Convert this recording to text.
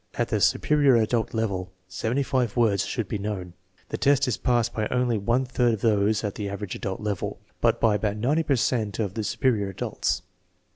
At the " superior adult " level seventy five words should be known. The test is passed by only one third of those at the " average adult " level, but by about 90 per cent of " su perior adults."